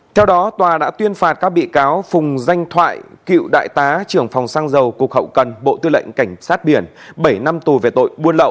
theo đó tòa đã tuyên phạt các bị cáo phùng danh thoại cựu đại tá trưởng phòng xăng dầu cục hậu cần bộ tư lệnh cảnh sát biển bảy năm tù về tội buôn lậu